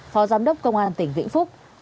phó giám đốc công an tỉnh vĩnh phúc